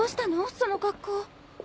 その格好。